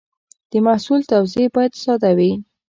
د محصول توضیح باید ساده وي.